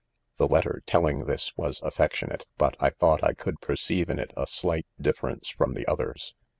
i The lettertellingthis was affectionate, but 1 thought I could perceive in it a slight differ ence from the others.